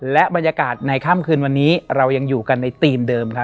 และบรรยากาศในค่ำคืนวันนี้เรายังอยู่กันในธีมเดิมครับ